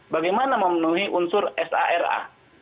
bagaimana memenuhi unsur sara